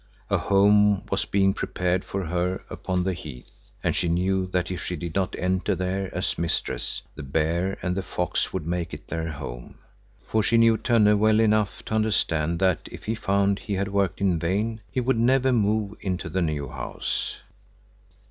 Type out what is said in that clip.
A home was being prepared for her upon the heath. And she knew that if she did not enter there as mistress, the bear and the fox would make it their home. For she knew Tönne well enough to understand that if he found he had worked in vain, he would never move into the new house.